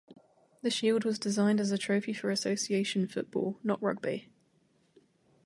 The shield was designed as a trophy for association football, not rugby.